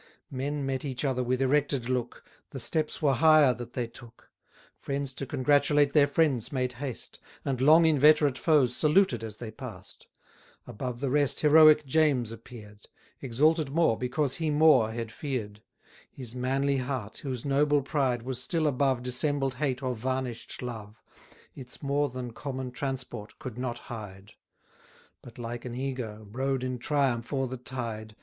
Men met each other with erected look, The steps were higher that they took; Friends to congratulate their friends made haste; And long inveterate foes saluted as they pass'd: Above the rest heroic James appear'd Exalted more, because he more had fear'd: His manly heart, whose noble pride Was still above Dissembled hate or varnish'd love, Its more than common transport could not hide; But like an eagre rode in triumph o'er the tide.